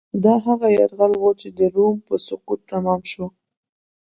دا هغه یرغل و چې د روم په سقوط تمام شو.